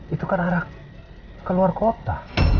itu kan arah keluar kota